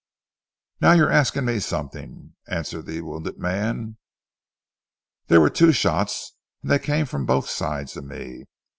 "Now you're asking me something," answered the wounded man. "There were two shots, and they came from both sides of me.